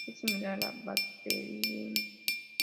Es similar a la bacteriemia.